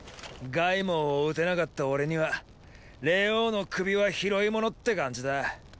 凱孟を討てなかった俺には霊凰の首は拾いものって感じだ。